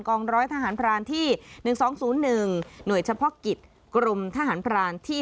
ร้อยทหารพรานที่๑๒๐๑หน่วยเฉพาะกิจกรมทหารพรานที่